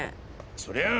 そりゃあ